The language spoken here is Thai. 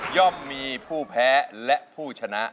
่อมมีผู้แพ้และผู้ชนะ